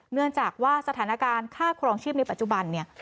เนื่องจากว่าสถานการณ์ค่าครองชีพในปัจจุบันเนี่ย